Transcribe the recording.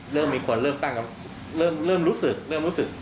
เริ่มมีคนเลือกตั้งก็เริ่มรู้สึกเริ่มรู้สึก